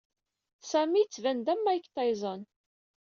Sami yettban-d am Mike Tyson.